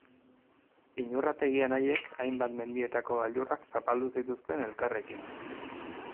Iñurrategi anaiek hainbat mendietako gailurrak zapaldu zituzten elkarrekin.